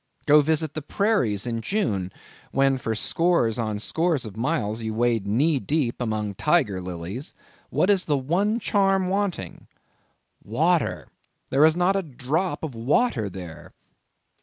Go visit the Prairies in June, when for scores on scores of miles you wade knee deep among Tiger lilies—what is the one charm wanting?—Water—there is not a drop of water there!